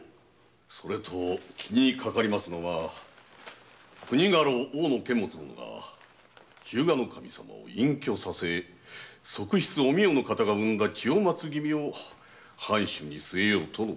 それと気にかかるのが国家老大野監物殿が日向守様を隠居させ側室・お美代の方が生んだ千代松君を藩主に据えようとの動き。